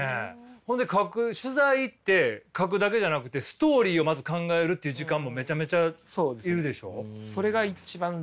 ほんで描く取材行って描くだけじゃなくてストーリーをまず考えるっていう時間もめちゃめちゃ要るでしょう？